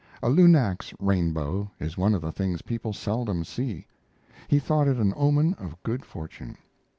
A lunax rainbow is one of the things people seldom see. He thought it an omen of good fortune.